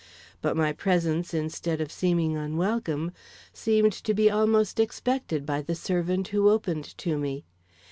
But my presence instead of seeming unwelcome, seemed to be almost expected by the servant who opened to me.